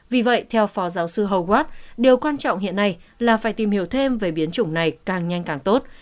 vì vậy theo phó giáo sư huwat điều quan trọng hiện nay là phải tìm hiểu thêm về biến chủng này càng nhanh càng tốt